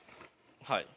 はい。